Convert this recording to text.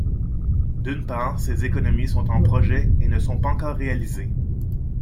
D’une part, ces économies sont en projet et ne sont pas encore réalisées.